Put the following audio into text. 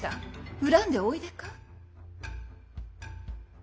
恨んでおいでか？